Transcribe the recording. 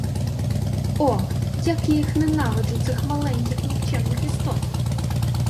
О, як я їх ненавиджу, цих маленьких нікчемних істот!